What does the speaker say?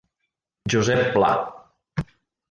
Josep Pla.